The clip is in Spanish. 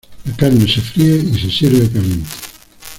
La carne se fríe y se sirve caliente.